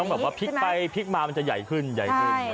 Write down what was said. แต่มันต้องแบบว่าพลิกไปพลิกมามันจะใหญ่ขึ้นใหญ่ขึ้น